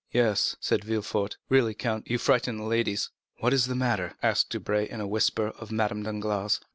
"Yes," said Villefort, "really, count, you frighten the ladies." "What is the matter?" asked Debray, in a whisper, of Madame Danglars.